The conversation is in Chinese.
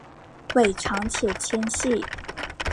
尾长且纤细。